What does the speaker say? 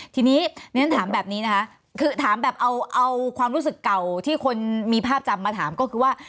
ทีนี้เรียนถามแบบนี้นะคะคือถามแบบเอาความรู้สึกเก่าที่คนมีภาพจำมาถามก็คือว่า